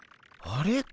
あれ？